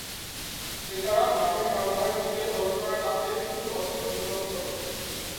এছাড়া মার্কিন সরকার বিজ্ঞান গবেষণার খাতে বিপুল অর্থ বিনিয়োগ করে।